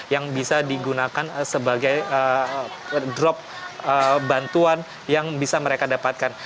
yang bisa digunakan sebagai drop bantuan yang bisa mereka dapatkan